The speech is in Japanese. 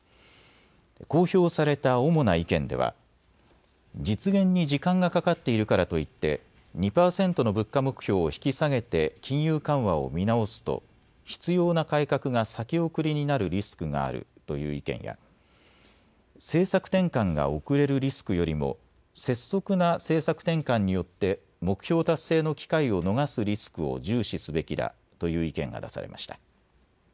公表された主な意見では実現に時間がかかっているからといって２％の物価目標を引き下げて金融緩和を見直すと必要な改革が先送りになるリスクがあるという意見や政策転換が遅れるリスクよりも拙速な政策転換によって目標達成の機会を逃すリスクを重視すべきだという意見が出されました。